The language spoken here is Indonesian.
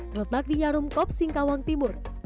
terletak di nyarumkop singkawang timur